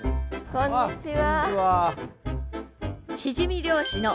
こんにちは。